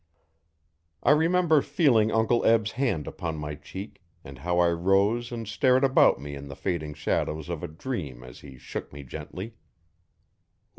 I remember feeling Uncle Eb's hand upon my cheek, and how I rose and stared about me in the fading shadows of a dream as he shook me gently.